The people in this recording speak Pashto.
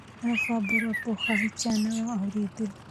دا خبره پخوا هیچا نه وه اورېدلې.